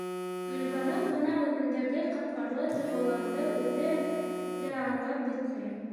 Гөлбаныу бына үҙендәге ҡатмарлы тойғоларҙы үҙе лә аңлап бөтмәй.